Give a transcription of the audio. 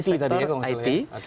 lalu dari sektor it